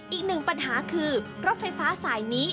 อีกหนึ่งปัญหาคือรถไฟฟ้าสายนี้